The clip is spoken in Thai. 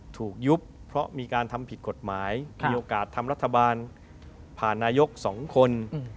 ถูกยุบเพราะมีการทำผิดกฎหมายมีโอกาสทำรัฐบาลผ่านนายกสองคน